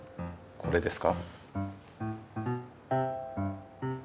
これですか？